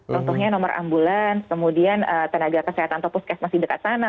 contohnya nomor ambulans kemudian tenaga kesehatan topos kes masih dekat sana